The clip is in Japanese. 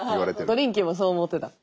トリンキーもそう思ってた。